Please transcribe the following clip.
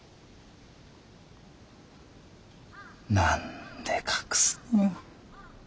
何で隠すのよ。